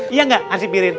iya enggak ansi pirin